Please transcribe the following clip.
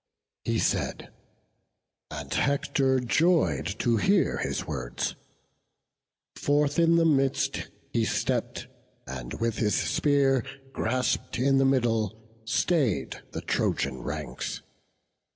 He said, and Hector joy'd to hear his words; Forth in the midst he stepp'd, and with his spear Grasp'd in the middle, stay'd the Trojan ranks.